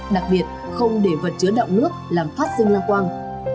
đặc biệt không để vật chứa đọng nước làm phát sinh lang quang